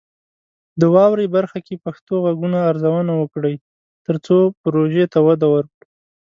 د "واورئ" برخه کې پښتو غږونه ارزونه وکړئ، ترڅو پروژې ته وده ورکړو.